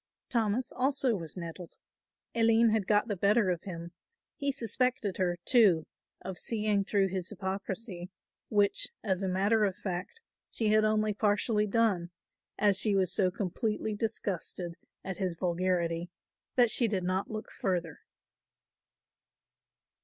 Thomas also was nettled. Aline had got the better of him; he suspected her, too, of seeing through his hypocrisy; which, as a matter of fact, she had only partially done, as she was so completely disgusted at his vulgarity that she did not look further.